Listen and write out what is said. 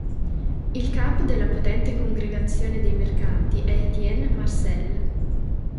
Il capo della potente Congregazione dei mercanti è Étienne Marcel.